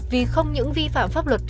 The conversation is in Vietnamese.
vì không những vi phạm pháp luật